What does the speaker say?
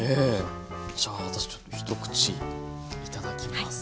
じゃあ私ちょっと一口いただきます。